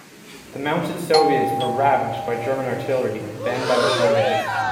The mounted Soviets were ravaged by German artillery, then by machine guns.